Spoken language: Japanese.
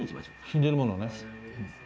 沈んでるものね。